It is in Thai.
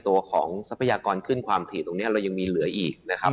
ตัวของทรัพยากรขึ้นความถี่ตรงนี้เรายังมีเหลืออีกนะครับ